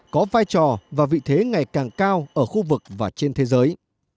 có vai trò và vị thế ngày càng cao ở khu vực và trên thế giới